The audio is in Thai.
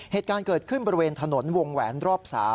เหตุการณ์เกิดขึ้นบริเวณถนนวงแหวนรอบ๓